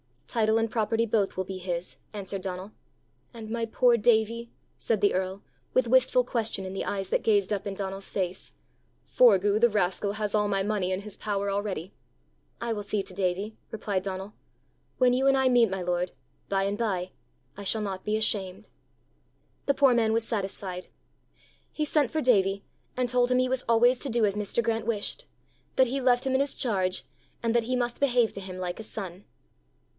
"Title and property both will be his," answered Donal. "And my poor Davie?" said the earl, with wistful question in the eyes that gazed up in Donal's face. "Forgue, the rascal, has all my money in his power already." "I will see to Davie," replied Donal. "When you and I meet, my lord by and by, I shall not be ashamed." The poor man was satisfied. He sent for Davie, and told him he was always to do as Mr. Grant wished, that he left him in his charge, and that he must behave to him like a son.